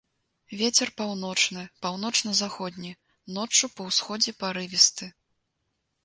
Вецер паўночны, паўночна-заходні, ноччу па ўсходзе парывісты.